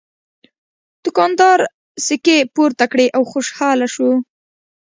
دوکاندار سکې پورته کړې او خوشحاله شو.